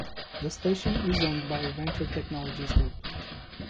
The station is owned by Venture Technologies Group.